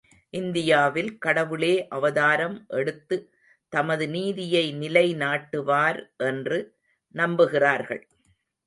இந்தியாவில் கடவுளே அவதாரம் எடுத்து தமது நீதியை நிலைநாட்டுவார் என்று நம்புகிறார்கள்.